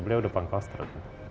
beliau udah pangkoster